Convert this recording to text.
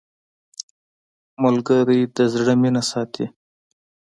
ملګری د زړه مینه ساتي